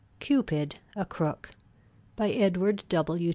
CUPID, A CROOK BY EDWARD W.